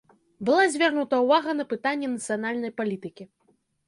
Была звернута ўвага на пытанні нацыянальнай палітыкі.